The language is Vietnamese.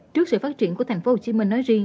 trước sự phát triển của thành phố hồ chí minh nói riêng